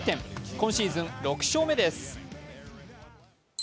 今シーズン６勝目です。